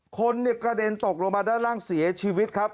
คนกระเด็นตกลงมาด้านล่างเสียชีวิตครับ